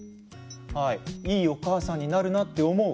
いいお母さんになるなって思う。